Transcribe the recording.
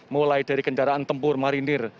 mulai dari kendaraan tempur marinir